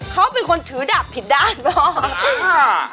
เขาเป็นคนถือดาบผิดด้านพ่อ